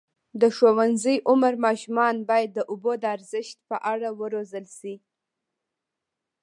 د ښوونځي عمر ماشومان باید د اوبو د ارزښت په اړه وروزل شي.